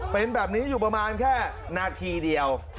เป็นแบบนี้อยู่ประมาณแค่นาทีเดียว